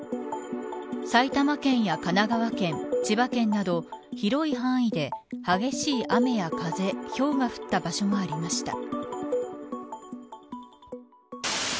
埼玉県や神奈川県千葉県など広い範囲で激しい雨や風ひょうが降った場所もありました。